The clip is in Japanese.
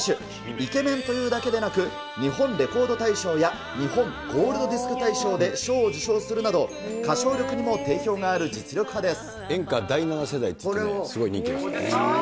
イケメンというだけでなく、日本レコード大賞や日本ゴールドディスク大賞で賞を受賞するなど、歌唱力にも定評がある実力派です。